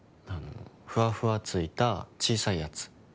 ふわふわついた、小さいやつ。